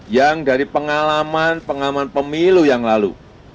yang dari pengalaman pengalaman pemilu yang lalu